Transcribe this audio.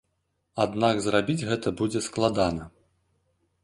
Аднак зрабіць гэта будзе складана.